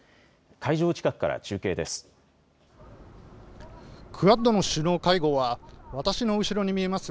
会場近くから中継です。